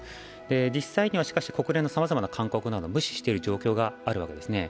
実際にはしかし国連のさまざまな勧告などを無視している状況にあるんですね。